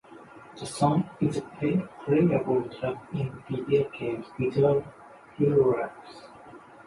The song is a playable track in the video game Guitar Hero Live.